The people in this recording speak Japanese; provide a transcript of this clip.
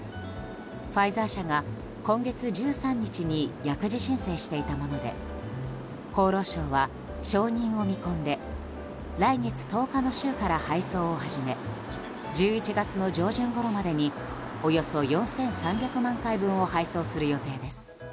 ファイザー社が今月１３日に薬事申請していたもので厚労省は、承認を見込んで来月１０日の週から配送を始め１１月の上旬ごろまでにおよそ４３００万回分を配送する予定です。